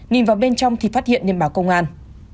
nhìn vào bên trong thì phát hiện niềm bảo công an